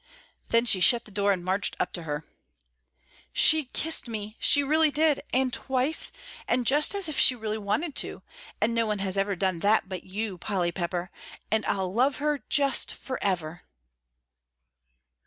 Then she shut the door and marched up to her. "She kissed me, she really did, and twice, and just as if she really wanted to! And no one has ever done that but you, Polly Pepper, and I'll love her just forever!"